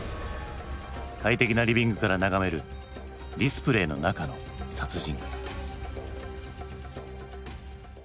快適なリビングから眺めるディスプレーの中の殺人。